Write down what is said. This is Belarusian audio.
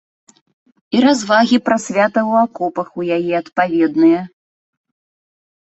І развагі пра свята ў акопах у яе адпаведныя.